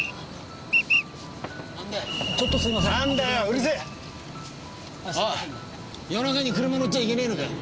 おい夜中に車乗っちゃいけねえのかよ？